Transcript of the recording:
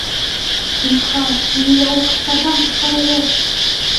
— Зинһар, мине яуыз ҡорттарҙан ҡотҡарығыҙ!..